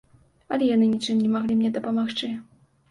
Але яны нічым не маглі мне дапамагчы.